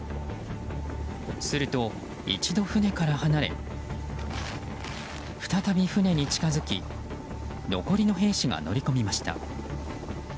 すると一度、船から離れ再び船に近づき残りの兵士が乗り込みました。